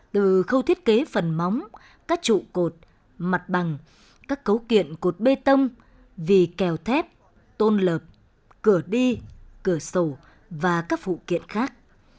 từ khâu thiết kế phần móng các trụ cột mặt bằng các cấu kiện cột bê tông vì kèo thép tôn lợp cửa đường